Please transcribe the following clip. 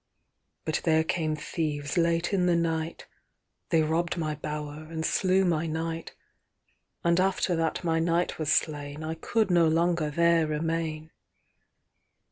IVBut there came thieves late in the night, They robb'd my bower, and slew my knight, And after that my knight was slainI could no longer there remain.